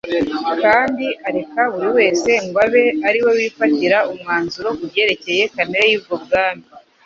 kandi areka buri wese ngo abe ari we wifatira umwarizuro ku byerekeye kamere y'ubwo bwami.